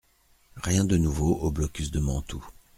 Rien de nouveau au blocus de Mantoue.